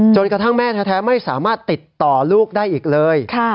กระทั่งแม่แท้ไม่สามารถติดต่อลูกได้อีกเลย